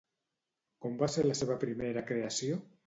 Com va ser la seva primera creació?